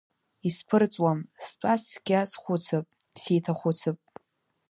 Исԥырҵуам стәаз цқьа схәыцып, сеиҭахәыцып…